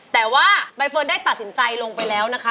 แต่ว่าใบเฟิร์นได้ตัดสินใจลงไปแล้วนะคะ